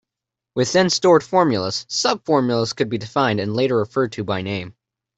Within stored formulas, sub-formulas could be defined and later referred to by name.